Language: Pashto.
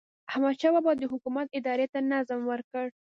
احمدشاه بابا د حکومت ادارې ته نظم ورکړ.